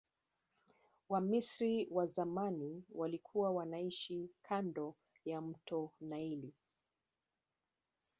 wamisri wa zamani walikua wanaishi kando ya mto naili